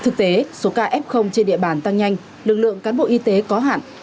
thực tế số ca f trên địa bàn tăng nhanh lực lượng cán bộ y tế có hạn